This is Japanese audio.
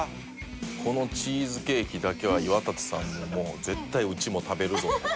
このチーズケーキだけは岩立さんももう「絶対うちも食べるぞ」と。